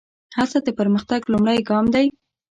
هڅه د پرمختګ لومړی ګام دی.